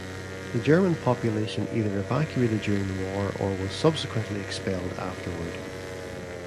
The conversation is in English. The German population either evacuated during the war or was subsequently expelled afterward.